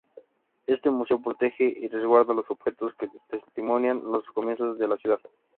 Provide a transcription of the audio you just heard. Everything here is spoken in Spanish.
Este museo protege y resguarda los objetos que testimonian los comienzos de la ciudad.